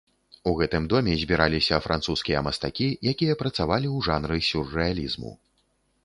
У гэтым доме збіраліся французскія мастакі, якія працавалі ў жанры сюррэалізму.